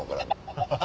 ハハハハ。